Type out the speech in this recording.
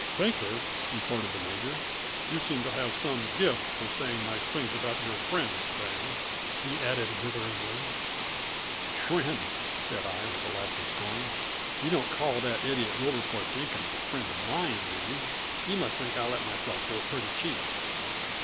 "Faker?" retorted the major. "You seem to have some gift for saying nice things about your friends, Bangs," he added witheringly. "Friends?" said I, with a laugh of scorn. "You don't call that idiot Wilberforce Jenkins a friend of mine, do you? You must think I let myself go pretty cheap."